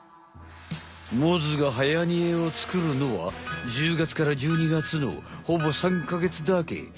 モズがはやにえを作るのは１０月から１２月のほぼ３か月だけ。